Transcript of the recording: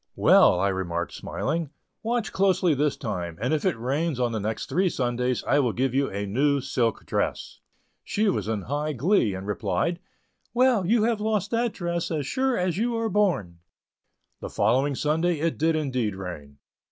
"Well," I remarked, smiling, "watch closely this time, and if it rains on the next three Sundays I will give you a new silk dress." She was in high glee, and replied: "Well, you have lost that dress, as sure as you are born." The following Sunday it did indeed rain.